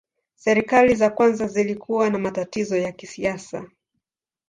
Serikali za kwanza zilikuwa na matatizo ya kisiasa.